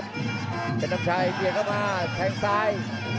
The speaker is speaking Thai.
เพชรน้ำชัยเจียงเข้ามาแทงก์ท้าย